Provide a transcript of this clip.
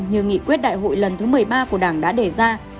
như nghị quyết đại hội lần thứ một mươi ba của đảng đã đề ra